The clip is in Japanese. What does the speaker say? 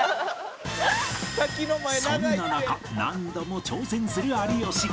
そんな中何度も挑戦する有吉